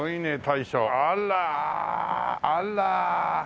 あらあら。